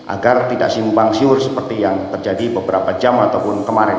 agar tidak simpang siur seperti yang terjadi beberapa jam ataupun kemarin